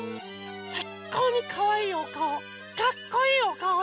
さいこうにかわいいおかおかっこいいおかおで。